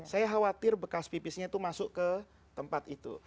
saya khawatir bekas pipisnya itu masuk ke tempat itu